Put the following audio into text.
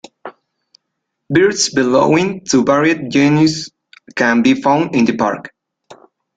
Birds belonging to varied genus can be found in the park.